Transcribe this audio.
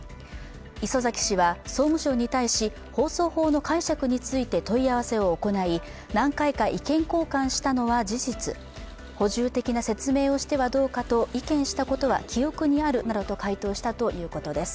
礒崎氏は総務省に対し放送法の解釈について問い合わせを行い、何回か意見交換したのは事実、補充的な説明をしてはどうかと意見したことは記憶にあるなどと回答したということです。